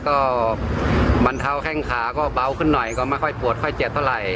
ก็บรรเทาแข้งขาก็เบาขึ้นหน่อยก็ไม่ค่อยปวดค่อยเจ็บเท่าไหร่